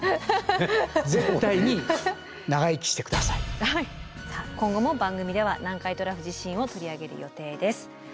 さあ今後も番組では南海トラフ地震を取り上げる予定です。